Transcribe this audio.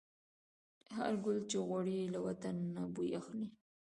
هر ګل چې غوړي، له وطن نه بوی اخلي